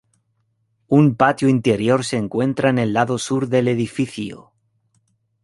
Un patio interior se encuentra en el lado sur del edificio.